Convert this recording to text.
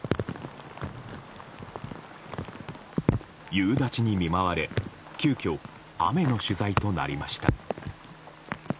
夕立に見舞われ急きょ、雨の取材となりました。